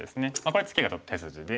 これツケが手筋で。